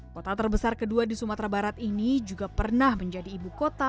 kota terbesar kedua di sumatera barat ini juga pernah menjadi ibu kota